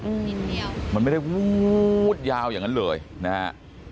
อืมมันไม่ได้วู๊ดยาวอย่างนั้นเลยนะฮะ